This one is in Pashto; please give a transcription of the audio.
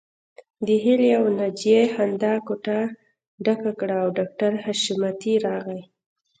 د هيلې او ناجيې خندا کوټه ډکه کړه او ډاکټر حشمتي راغی